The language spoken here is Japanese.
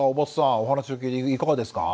お話を聞いていかがですか？